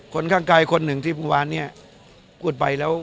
คนข้างไกลคนหนึ่งที่ประวัติศาสตร์เนี้ยพูดไปแล้ว